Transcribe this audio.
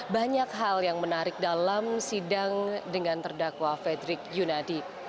banyak hal yang menarik dalam sidang dengan terdakwa fredrik yunadi